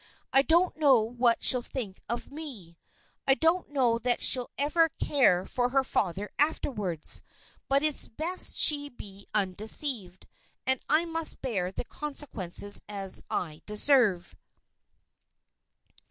I don't know what she'll think of me; I don't know that she'll ever care for her father afterwards. But it's best she should be undeceived, and I must bear the consequences as I deserve."